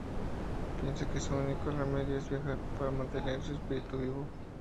Piensa que su único remedio es viajar, para mantener su espíritu vivo.